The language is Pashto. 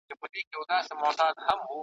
پیر مغان له ریاکاره سره نه جوړیږي `